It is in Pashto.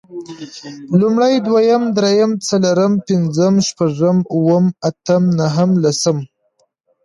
لومړی، دويم، درېيم، څلورم، پنځم، شپږم، اووم، اتم، نهم، لسم